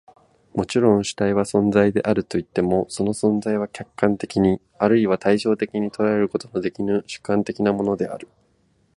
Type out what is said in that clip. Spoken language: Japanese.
もちろん、主体は存在であるといっても、その存在は客観的に或いは対象的に捉えることのできぬ主観的なものである。